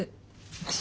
よし！